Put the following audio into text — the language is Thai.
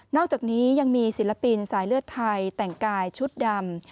อกจากนี้ยังมีศิลปินสายเลือดไทยแต่งกายชุดดำ